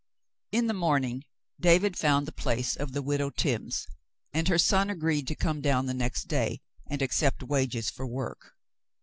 In the morning, David found the place of the Widow Timms, and her son agreed to come down the next day and accept wages for work.